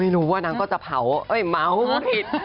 ไม่รู้ว่านางก็จะเผาเมาผิด